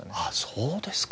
そうですか。